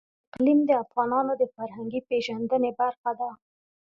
اقلیم د افغانانو د فرهنګي پیژندنې برخه ده.